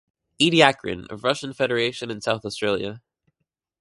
Ediacaran of Russian federation and South Australia.